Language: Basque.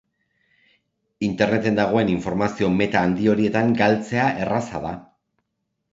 Interneten dagoen informazio-meta handi horietan galtzea erraza da.